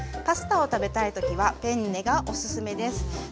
パスタを食べたい時はペンネがおすすめです。